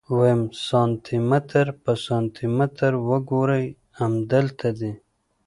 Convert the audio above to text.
ويم سانتي متر په سانتي متر وګروئ امدلته دي.